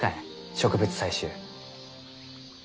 植物採集。